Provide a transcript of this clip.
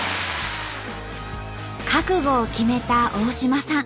覚悟を決めた大島さん。